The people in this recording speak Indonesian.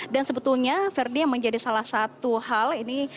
dan sebetulnya verdi yang menjadi salah satu hal ini